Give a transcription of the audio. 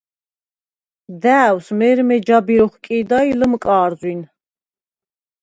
და̄̈ვს მე̄რმე ჯაბირ ოხკი̄და ი ლჷმკა̄რზვინ.